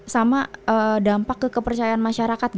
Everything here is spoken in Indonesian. sama dampak kekepercayaan masyarakat